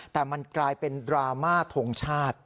แต่มันกลายเป็นดราม่าทงชาติ